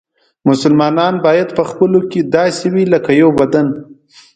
مسلمانان باید په خپلو کې باید داسې وي لکه یو بدن.